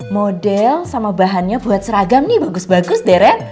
model sama bahannya buat seragam nih bagus bagus deret